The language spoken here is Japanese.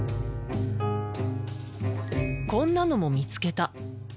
こんなのも見つけた。